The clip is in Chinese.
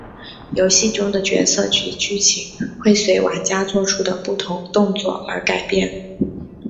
游戏中的角色及剧情会随玩家作出的不同动作而改变。